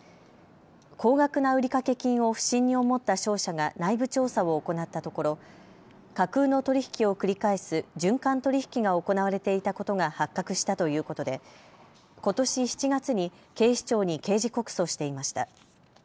高額な売掛金を不審に思った商社が内部調査を行ったところ架空の取り引きを繰り返す循環取引が行われていたことが発覚したということでことし７月に警視庁に刑事告訴していました。